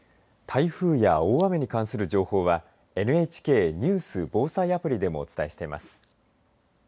台風や大雨に関する情報は「ＮＨＫニュース・防災アプリ」でもお伝えしています。